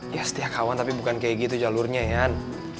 ya setia kawan tapi bukan kayak gitu jalurnya yan